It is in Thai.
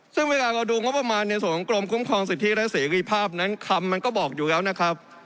ซึ่งเวลาเราดูงบประมาณในส่วนของกรมคุ้มครองสิทธิและเสรีภาพนั้นคำมันก็บอกอยู่แล้วนะครับ